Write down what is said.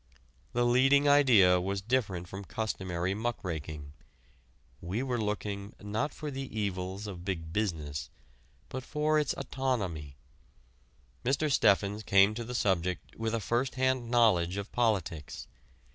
The leading idea was different from customary "muckraking." We were looking not for the evils of Big Business, but for its anatomy. Mr. Steffens came to the subject with a first hand knowledge of politics.